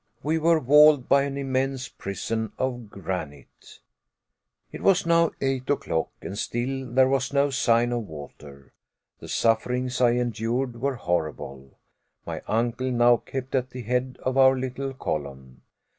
We were walled by an immense prison of granite! It was now eight o'clock, and still there was no sign of water. The sufferings I endured were horrible. My uncle now kept at the head of our little column.